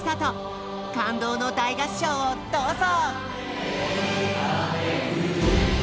感動の大合唱をどうぞ！